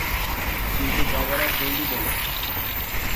কিন্তু যা বলার জলদি বলো!